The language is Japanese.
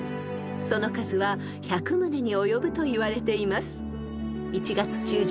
［その数は１００棟に及ぶといわれています］